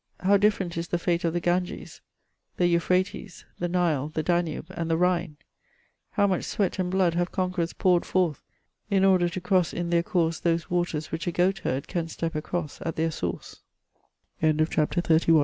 How different is the fate of the Ganges, the Euphrates, the IS^e, the Danube, and the Rhine I How much sweat and blood haye conquerors poured forth in order to cross in their course those waters which a goatherd can step across at t